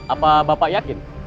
apa bapak yakin